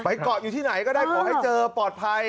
เกาะอยู่ที่ไหนก็ได้ขอให้เจอปลอดภัย